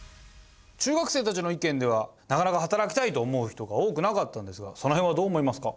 中学生たちの意見ではなかなか働きたいと思う人が多くなかったんですがその辺はどう思いますか？